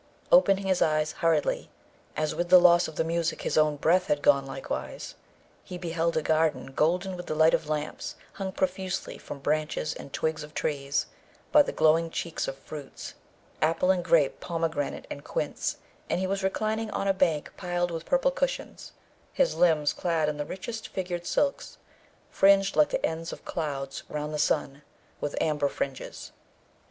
Opening his eyes hurriedly, as with the loss of the music his own breath had gone likewise, he beheld a garden golden with the light of lamps hung profusely from branches and twigs of trees by the glowing cheeks of fruits, apple and grape, pomegranate and quince; and he was reclining on a bank piled with purple cushions, his limbs clad in the richest figured silks, fringed like the ends of clouds round the sun, with amber fringes.